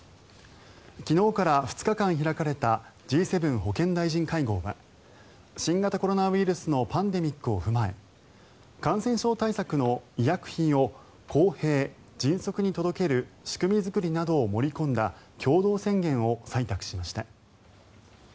昨日から２日間開かれたＧ７保健大臣会合は新型コロナウイルスのパンデミックを踏まえ感染症対策の医薬品を公平・迅速に届ける仕組み作りなどを盛り込んだ共同宣言を採択しました。